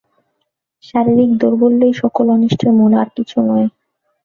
শারীরিক দৌর্বল্যই সকল অনিষ্টের মূল, আর কিছু নয়।